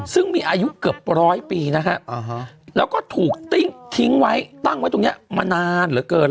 ซึ่งมีอายุเกือบร้อยปีนะฮะแล้วก็ถูกทิ้งไว้ตั้งไว้ตรงนี้มานานเหลือเกิน